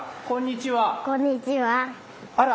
あら？